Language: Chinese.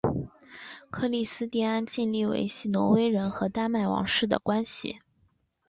克里斯蒂安尽力维系挪威人和丹麦王室的关系。